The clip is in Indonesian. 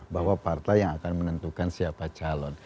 bahwa partai yang akan menentukan siapa calon